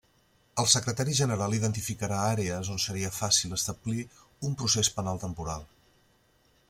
El secretari general identificarà àrees on seria fàcil establir un procés penal temporal.